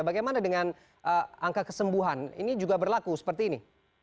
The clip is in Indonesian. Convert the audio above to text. bagaimana dengan angka kesembuhan ini juga berlaku seperti ini